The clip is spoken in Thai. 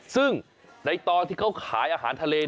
ซึ่งในตอนที่เขาขายอาหารทะเล